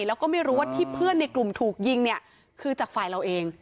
แล้วก็ไม่รู้ว่าที่เพื่อนในกลุ่มถูกยิงเนี่ยคือจากฝ่ายเราเอง